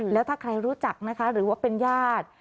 แล้วถ้าใครรู้จักนะคะหรือว่าเป็นญาติ